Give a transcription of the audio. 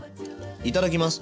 いただきます。